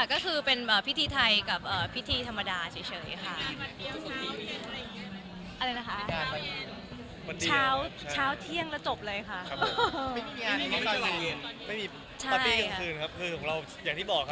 ก็คือเป็นพิธีไทยกับพิธีธรรมดาเฉยค่ะ